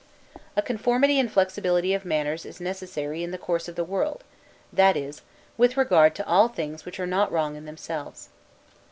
A conformity and flexibility of manners is necessary in the course of the world; that is, with regard to all things which are not wrong in themselves.